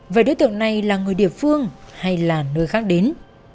vậy đối tượng này là người địa phương hay là nơi khác đến